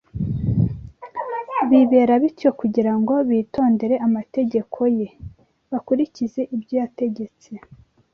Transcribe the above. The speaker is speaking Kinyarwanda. bibera bityo kugira ngo bitondere amategeko ye, bakurikize ibyo yategetse